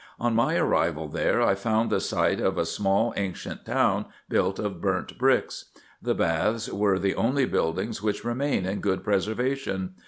On my arrival there I found the site of a small ancient town, built of burnt bricks : the baths are the only buildings which remain in good preservation.